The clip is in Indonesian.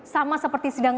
sama seperti sidang